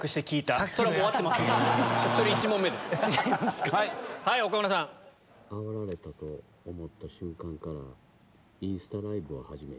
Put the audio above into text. あおられたと思った瞬間からインスタライブを始める。